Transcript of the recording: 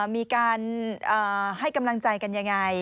มีการให้กำลังใจกันยังไง